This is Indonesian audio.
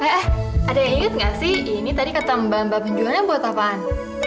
eh eh ada yang inget gak sih ini tadi ketembaan mbak benjolnya buat apaan